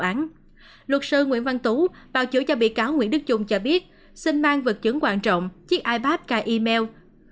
cũng tại phiên tòa luật sư nguyễn văn tú bào chữa cho bị cáo nguyễn đức dung cho biết xin mang vật chứng quan trọng chiếc ipad cài email